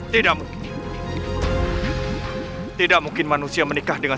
tuanku memang sengaja